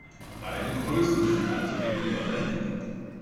Die beiden Größen sind also äquivalent.